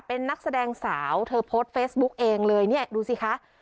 เป็นนักแสดงสาวเธอโพสต์เฟซบุ๊กเองเลยเนี่ยดูสิคะ